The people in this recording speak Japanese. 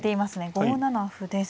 ５七歩です。